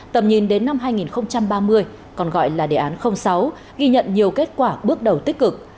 tầm nhìn đến năm hai nghìn ba mươi còn gọi là đề án sáu ghi nhận nhiều kết quả bước đầu tích cực